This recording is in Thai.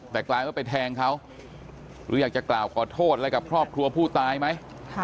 แต่กลายว่าไปแทงเขาหรืออยากจะกล่าวขอโทษอะไรกับครอบครัวผู้ตายไหม